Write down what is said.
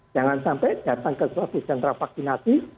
jangan sampai datang ke suatu sentra vaksinasi